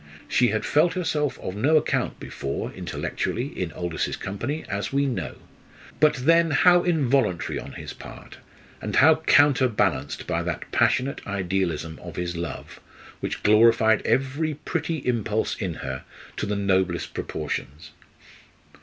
She had felt herself of no account before, intellectually, in Aldous's company, as we know. But then how involuntary on his part, and how counter balanced by that passionate idealism of his love, which glorified every pretty impulse in her to the noblest proportions!